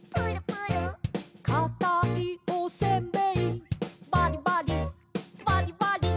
「かたいおせんべいバリバリバリバリ」